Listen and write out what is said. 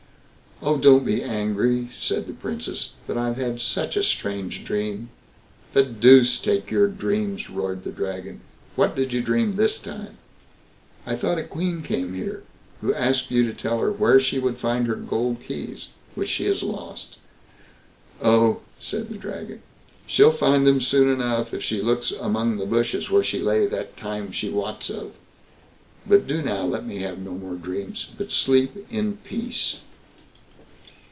"Oh, don't be angry", said the Princess; "but I've had such a strange dream." "The deuce take your dreams", roared the Dragon; "what did you dream this time?" "I thought a queen came here, who asked you to tell her where she would find her gold keys, which she has lost." "Oh", said the Dragon, "she'll find them soon enough if she looks among the bushes where she lay that time she wots of. But do now let me have no more dreams, but sleep in peace."